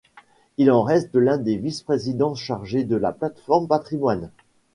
Il en reste l’un des vice-présidents chargé de la plateforme Patrimoine.